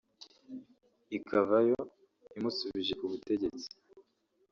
ikavayo imusubuje kubutegetsi